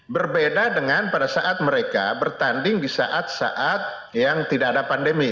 berbeda dengan pada saat mereka bertanding di saat saat yang tidak ada pandemi